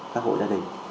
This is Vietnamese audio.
các hộ gia đình